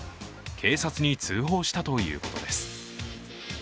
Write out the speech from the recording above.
警察に通報したということです。